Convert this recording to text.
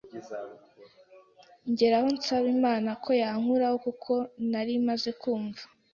ngera aho nsaba Imana ko yankuraho kuko nari maze kumva